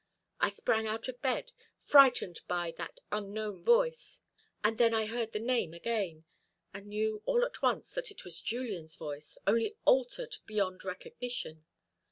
I sprang out of bed; frightened by that unknown voice, and then I heard the name again, and knew all at once that it was Julian's voice, only altered beyond recognition.